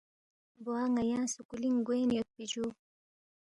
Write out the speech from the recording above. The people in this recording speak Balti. بوا ن٘یا سکُولِنگ نُو گوین یودپی جُو